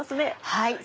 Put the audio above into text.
はい。